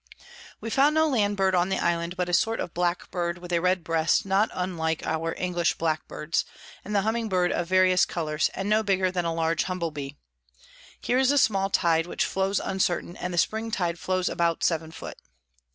We found no Land Bird on the Island, but a sort of Black Bird with a red Breast, not unlike our English Black Birds; and the Humming Bird of various Colours, and no bigger than a large Humble Bee. Here is a small Tide which flows uncertain, and the Spring Tide flows about seven foot.